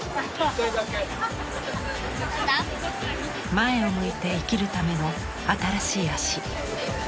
前を向いて生きるための新しい足。